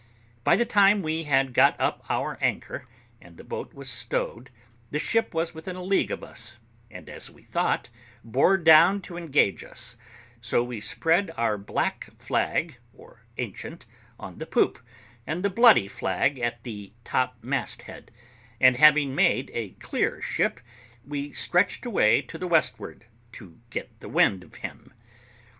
By the time we had got up our anchor and the boat was stowed, the ship was within a league of us, and, as we thought, bore down to engage us; so we spread our black flag, or ancient, on the poop, and the bloody flag at the top mast head, and having made a clear ship, we stretched away to the westward, to get the wind of him.